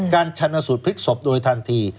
การชนะสูตรพลิกศพโดยทันที